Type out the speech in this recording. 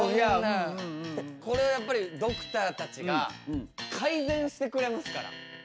これをやっぱりドクターたちが改善してくれますから。